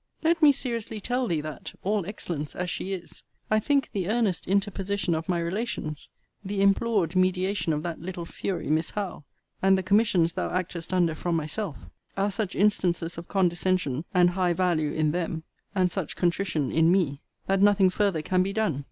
Let me seriously tell thee that, all excellence as she is, I think the earnest interposition of my relations; the implored mediation of that little fury Miss Howe; and the commissions thou actest under from myself; are such instances of condescension and high value in them, and such contrition in me, that nothing farther can be done.